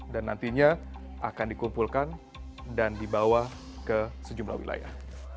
dan nantinya akan dikumpulkan dan dibawa ke sejumlah wilayah